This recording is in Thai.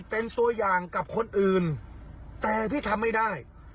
เป็นตัวอย่างกับคนอื่นแต่พี่ทำไม่ได้